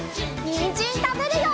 にんじんたべるよ！